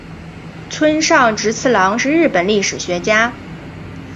村上直次郎是日本历史学家。